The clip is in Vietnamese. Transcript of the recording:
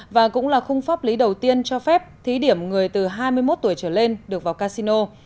và cũng là khung pháp lý đầu tiên cho phép thí điểm người từ hai mươi một tuổi trở lên được vào casino